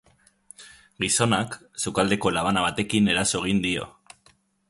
Gizonak sukaldeko labana batekin eraso egin dio.